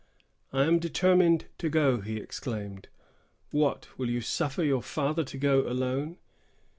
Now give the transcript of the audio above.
"I am determined to go," he exclaimed. "What, will you suffer your father to go alone?"